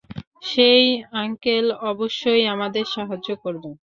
সেই আঙ্কেল অবশ্যই আমাদের সাহায্য করবে!